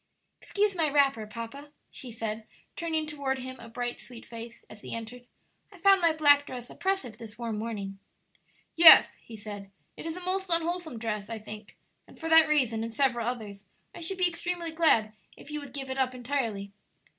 "Excuse my wrapper, papa," she said, turning toward him a bright, sweet face, as he entered; "I found my black dress oppressive this warm morning." "Yes," he said; "it is a most unwholesome dress, I think; and for that reason and several others I should be extremely glad if you would give it up entirely."